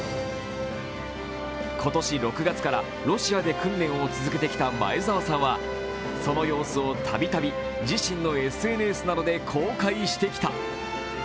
今年６月からロシアで訓練を続けてきた前澤さんはその様子をたびたび自身のＳＮＳなどで公開してきた。